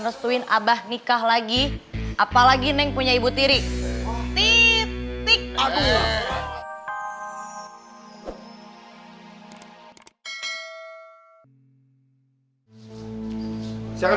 nestuin abah nikah lagi apalagi neng punya ibu tiri titik